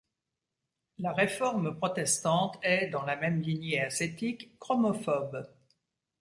La Réforme protestante est, dans la même lignée ascétique, chromophobe.